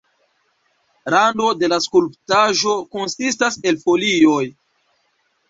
Rando de la skulptaĵo konsistas el folioj.